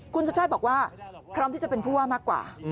คุณชาติชาติบอกว่าพร้อมที่จะเป็นผู้ว่ามากกว่า